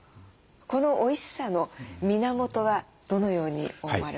このおいしさの源はどのように思われますか？